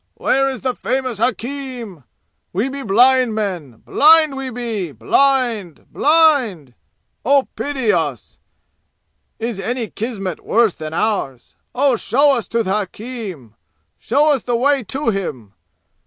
"Where is the famous hakim? We be blind men blind we be blind blind! Oh, pity us! Is any kismet worse than ours? Oh, show us to the hakim! Show us the way to him!